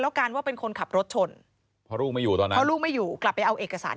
ในทำการว่าเป็นคนขับรถชนเขารู้ไม่อยู่แล้วรู้ไม่อยู่กลับไปเอาเอกสาร